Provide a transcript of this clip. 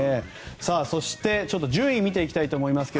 そして、順位を見ていきたいと思います。